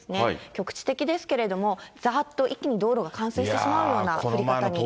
局地的ですけれども、ざーっと一気に道路が冠水してしまうような降り方になってます。